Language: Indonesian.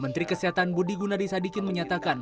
menteri kesehatan budi gunadisadikin menyatakan